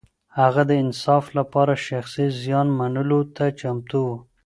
هغه د انصاف لپاره شخصي زيان منلو ته چمتو و.